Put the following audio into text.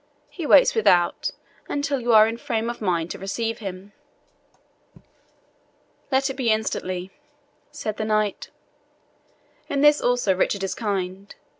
He waits without, until you are in a frame of mind to receive him." "Let it be instantly," said the knight. "In this also Richard is kind.